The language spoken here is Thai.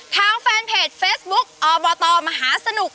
ทางแฟนเพจเฟซบุ๊คอบตมหาสนุก